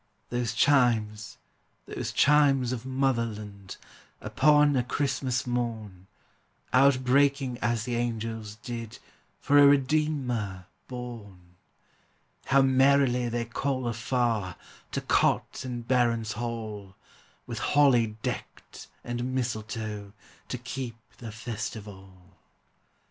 Those chimes, those chimes of Motherland, Upon a Christmas morn. Outbreaking as the angels did, For a Redeemer born! How merrily they call afar, To cot and baron's hall, With holly decked and mistletoe, To keep the festival!